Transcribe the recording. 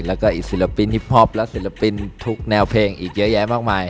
แล้วก็อีกศิลปินฮิปพอปและศิลปินทุกแนวเพลงอีกเยอะแยะมากมาย